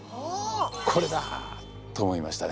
「これだ！」と思いましたね。